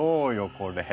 これ。